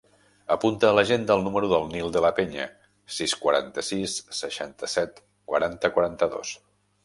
Apunta a l'agenda el número del Nil De La Peña: sis, quaranta-sis, seixanta-set, quaranta, quaranta-dos.